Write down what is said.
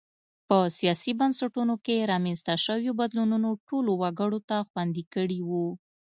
په سیاسي بنسټونو کې رامنځته شویو بدلونونو ټولو وګړو ته خوندي کړي وو.